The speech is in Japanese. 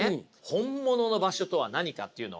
本物の場所とは何かっていうのをね